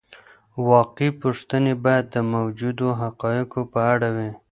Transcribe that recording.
واقعي پوښتنې باید د موجودو حقایقو په اړه وي.